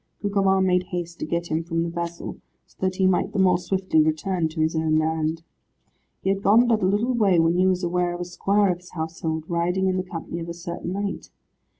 Gugemar made haste to get him from the vessel, so that he might the more swiftly return to his own land. He had gone but a little way when he was aware of a squire of his household, riding in the company of a certain knight.